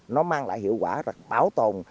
nó mang lại hiệu quả và bảo tồn